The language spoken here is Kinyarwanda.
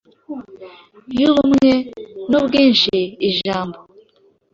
yubumwe n’ubwinshi. Ijambo